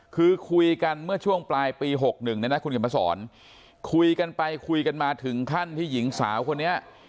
คือคุยกันเมื่อช่วงปลายปีหกหนึ่งน่ะนะคุณเก่งพระสรคุยกันไปคุยกันมาถึงท่านที่หญิงสาวคนนี้